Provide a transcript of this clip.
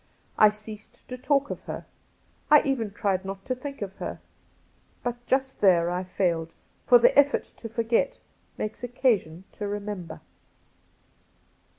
I ceased to talk of her ; I even tried not to think of her. But just there I failed— for the effort to forget makes occasion to remember.